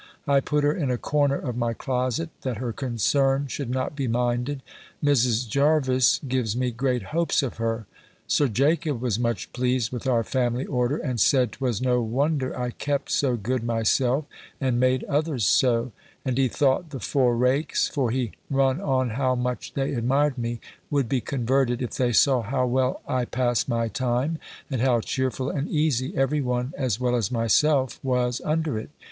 I put her in a corner of my closet, that her concern should not be minded. Mrs. Jervis gives me great hopes of her. Sir Jacob was much pleased with our family order, and said, 'twas no wonder I kept so good myself, and made others so: and he thought the four rakes (for he run on how much they admired me) would be converted, if they saw how well I passed my time, and how cheerful and easy every one, as well as myself was under it!